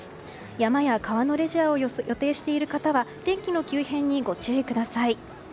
山や川のレジャーを予定している方は天気の急変にご注意ください。